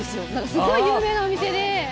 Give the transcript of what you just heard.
すごい有名なお店で。